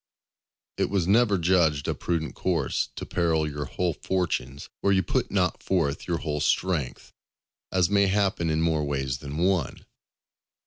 It was never judged a prudent course to peril your whole fortunes where you put not forth your whole strength; as may happen in more ways than one.